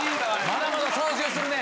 ・まだまだ操縦するね。